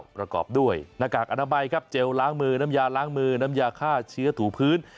ประกอบด้วยหน้ากากอนามัยครับเจลล้างมือน้ำยาล้างมือน้ำยาฆ่าเชื้อถูพื้น